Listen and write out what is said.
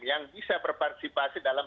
yang bisa berpartisipasi dalam